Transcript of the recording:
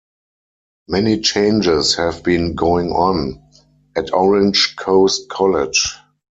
Many changes have been going on at Orange Coast College.